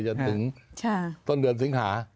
จนถึงต้นเดือนสิงหา